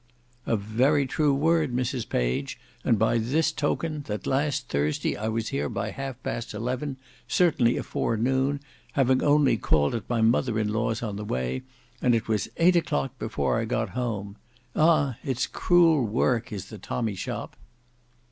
"A very true word, Mrs Page; and by this token, that last Thursday I was here by half past eleven, certainly afore noon, having only called at my mother in law's in the way, and it was eight o'clock before I got home. Ah! it's cruel work, is the tommy shop."